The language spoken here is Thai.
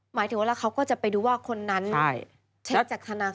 หมายถึงว่าแล้วเขาก็จะไปดูว่าคนนั้นเช็คจากธนาคาร